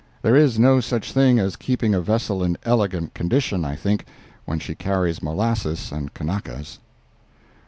There is no such thing as keeping a vessel in elegant condition, I think, when she carries molasses and Kanakas.